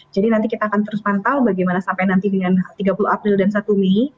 jadi nanti kita akan terus pantau bagaimana sampai nanti dengan tiga puluh april dan satu mei